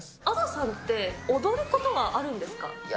Ａｄｏさんって、踊ることはあるんですか？